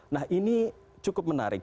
nah ini cukup menarik